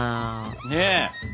ねえ。